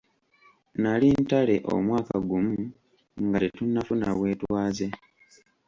Nali Ntale omwaka gumu nga tetunnafuna bwetwaze